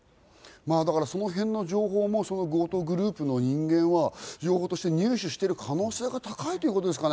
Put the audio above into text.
その辺の情報も強盗グループの人間は情報として入手している可能性が高いということですかね？